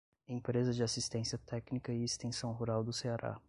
Empresa de Assistência Técnica e Extensão Rural do Ceará